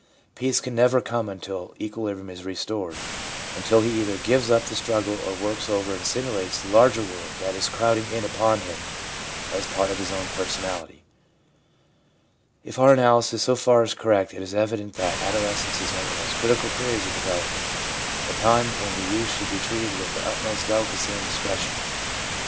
Peace can never come until equilibrium is restored ; until he either gives up the struggle, or works over and assimilates the larger world that is crowding in upon him as part of his own personality. If our analysis so far is correct, it is evident that adolescence is one of the most critical periods of develop ment, a time when the youth should be treated with the utmost delicacy and discretion.